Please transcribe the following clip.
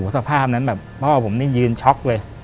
สภาพนั้นแบบพ่อผมนี่ยืนช็อกเลย